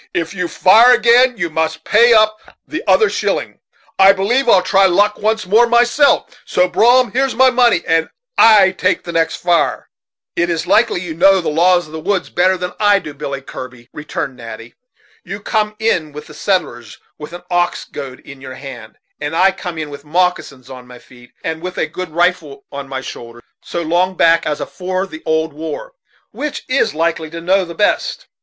If you fire agin you must pay up the other shilling. I b'lieve I'll try luck once more myself; so, Brom, here's my money, and I take the next fire." "It's likely you know the laws of the woods better than I do, Billy Kirby," returned Natty. "You come in with the settlers, with an ox goad in your hand, and I come in with moccasins on my feet, and with a good rifle on my shoulders, so long back as afore the old war. Which is likely to know the best?